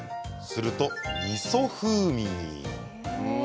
すると、おみそ風味に。